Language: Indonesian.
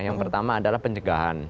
yang pertama adalah pencegahan